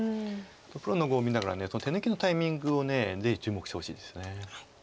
プロの碁を見ながら手抜きのタイミングをぜひ注目してほしいです。